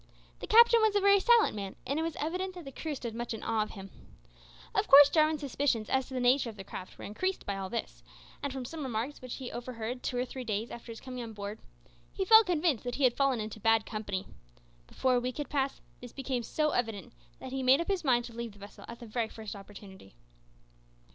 The captain was a very silent man, and it was evident that the crew stood much in awe of him. Of course Jarwin's suspicions as to the nature of the craft were increased by all this, and from some remarks which he overheard two or three days after his coming on board, he felt convinced that he had fallen into bad company. Before a week had passed, this became so evident that he made up his mind to leave the vessel at the very first opportunity.